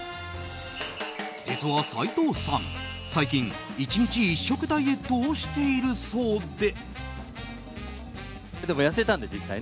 実は斎藤さん、最近１日１食ダイエットをしているそうで。